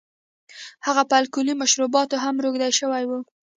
هغه په الکولي مشروباتو هم روږدی شوی و.